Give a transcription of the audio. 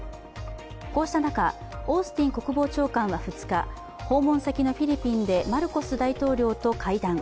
こうした中、オースティン国防長官は２日、訪問先のフィリピンでマルコス大統領と会談。